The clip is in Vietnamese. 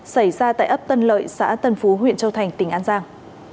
xảy ra tại ấp tân lợi xã tân phú huyện châu thành tỉnh an giang